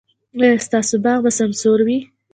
ایا ستاسو باغ به سمسور وي؟